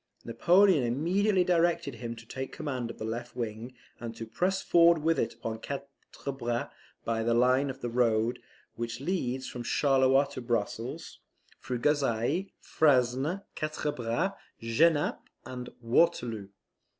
Napoleon immediately directed him to take the command of the left wing, and to press forward with it upon Quatre Bras by the line of the road which leads from Charleroi to Brussels, through Gosselies, Frasne, Quatre Bras, Genappe, and Waterloo.